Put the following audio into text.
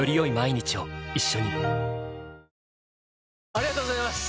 ありがとうございます！